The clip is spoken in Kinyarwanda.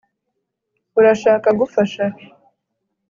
urashaka gufasha